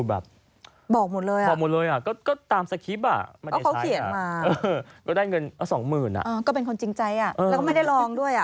แล้วก็ไม่ได้ลองด้วย